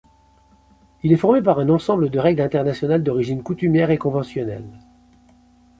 Il est formé par un ensemble de règles internationales d'origines coutumières et conventionnelles.